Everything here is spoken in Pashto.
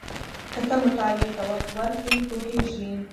که ته مطالعې ته وخت ورکړې پوهېږې.